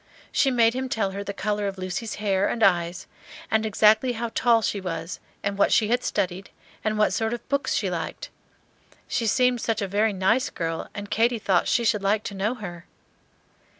She made him tell her the color of Lucy's hair and eyes, and exactly how tall she was, and what she had studied, and what sort of books she liked. She seemed such a very nice girl, and Katy thought she should like to know her.